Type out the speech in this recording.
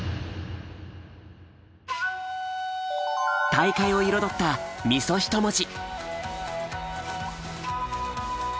大会を彩った三十一文字。